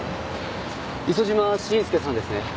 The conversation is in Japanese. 磯島信介さんですね？